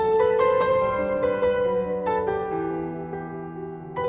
ini udah sampe